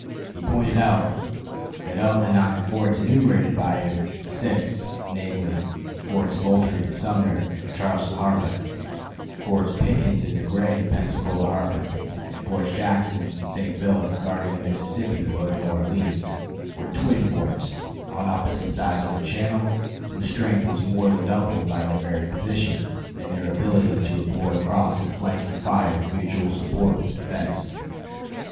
He pointed out that of the nine forts enumerated by him, six, namely, Forts Moultrie and Sumter in Charleston harbor, Forts Pickens and McRae in Pensacola harbor, and Forts Jackson and St. Philip guarding the Mississippi below New Orleans, were "twin forts" on opposite sides of a channel, whose strength was more than doubled by their very position and their ability to employ cross and flanking fire in mutual support and defense.